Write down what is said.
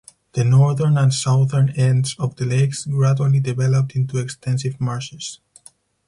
The northern and southern ends of the lakes gradually developed into extensive marshes.